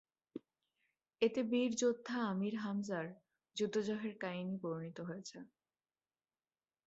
এতে বীর যোদ্ধা আমীর হামজার যুদ্ধজয়ের কাহিনী বর্ণিত হয়েছে।